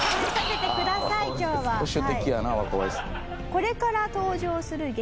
これから登場する激